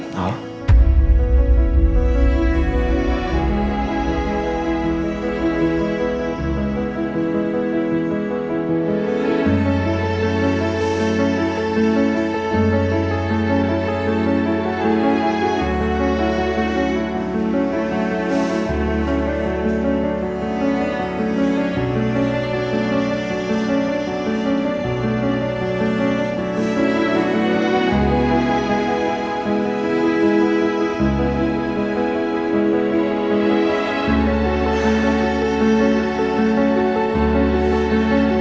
akan menjaga dirimu